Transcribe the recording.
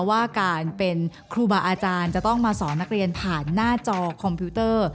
ว่าการเป็นครูบาอาจารย์จะต้องมาสอนนักเรียนผ่านหน้าจอคอมพิวเตอร์